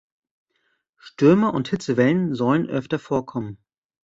Stürme und Hitzewellen sollen öfter vorkommen.